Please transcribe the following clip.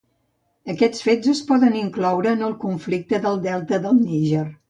Aquests fets es poden incloure en el conflicte del delta del Níger.